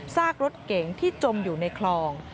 ซากรถเก๋งที่จมอยู่ในคลอง